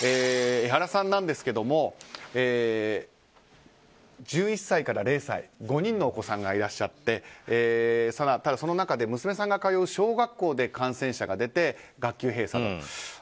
エハラさんですが１１歳から０歳５人のお子さんがいらっしゃってその中で娘さんが通う小学校で感染者が出て学級閉鎖と。